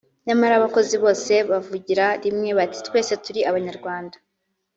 nyamara abakozi bose bavugira rimwe bati “twese turi Abanyarwanda